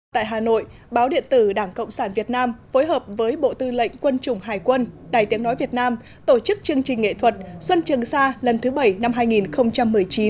tại hà nội báo điện tử đảng cộng sản việt nam phối hợp với bộ tư lệnh quân chủng hải quân đài tiếng nói việt nam tổ chức chương trình nghệ thuật xuân trường sa lần thứ bảy năm hai nghìn một mươi chín